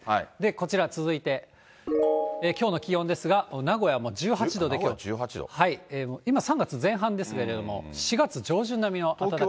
こちら続いて、きょうの気温ですが、名古屋もう１８度で、今、３月前半ですけれども、４月上旬並みの暖かさ。